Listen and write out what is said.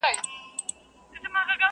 په دنیا کي چي د چا نوم د سلطان دی٫